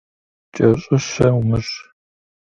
Кӏэщӏыщэ умыщӏ.